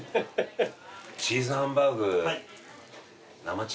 チーズハンバーグ生中で。